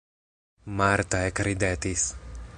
Marta ekridetis.